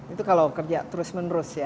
itu kalau kerja terus menerus ya